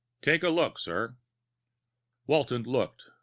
Take a look, sir." Walton looked.